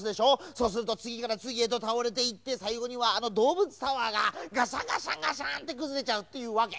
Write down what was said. そうするとつぎからつぎへとたおれていってさいごにはあのどうぶつタワーがガシャンガシャンガシャンってくずれちゃうっていうわけ。